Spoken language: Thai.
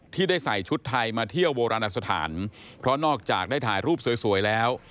ที่ได้ใส่ชุดไทยมาเที่ยวโบราณสถานเพราะนอกจากได้ถ่ายรูปสวยแล้ว